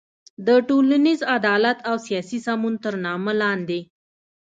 د ټولنیز عدالت او سیاسي سمون تر نامه لاندې